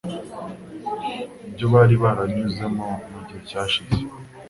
Ibyo bari baranyuzemo mu gihe cyashize